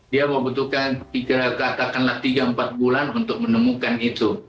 dia membutuhkan katakanlah tiga empat bulan untuk menemukan itu